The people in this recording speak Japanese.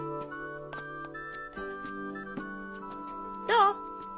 どう？